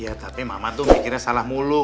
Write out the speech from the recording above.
ya tapi mama tuh mikirnya salah mulu